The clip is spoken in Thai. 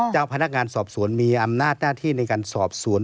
เจ้าพนักงานสอบสวนมีอำนาจหน้าที่ในการสอบสวน